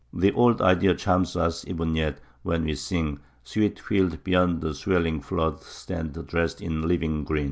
The old idea charms us even yet when we sing "Sweet fields beyond the swelling flood stand dressed in living green."